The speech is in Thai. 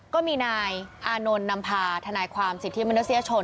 ก็มีนายอานนท์นำพาทนายความสิทธิมนุษยชน